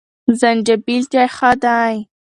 زنجبیل چای ښه دی.